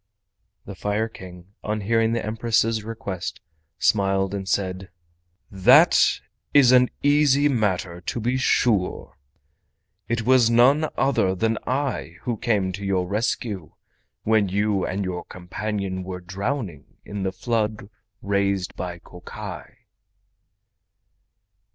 The Fire King, on hearing the Empress's request, smiled and said: "That is an easy matter, to be sure! It was none other than I who came to your rescue when you and your companion were drowning in the flood raised by Kokai!"